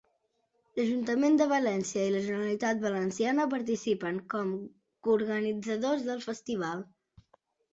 L'Ajuntament de València i la Generalitat Valenciana participen com coorganitzadors del festival.